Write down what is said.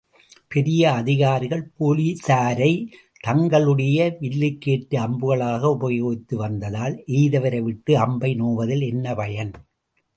பெரிய அதிகாரிகள் போலிலாரைத் தங்களுடைய வில்லுக்கேற்ற அம்புகளாக உபயோகித்து வந்ததால், எய்தவரை விட்டு அம்பை நோவதில் என்ன பயன்?